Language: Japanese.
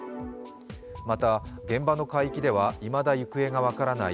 また、現場の海域ではいまだ行方が分からない